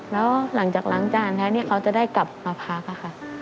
แล้วหลังจากล้างจานแล้วที่เขาจะได้กลับมาพักค่ะ